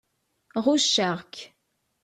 Ɣucceɣ-k.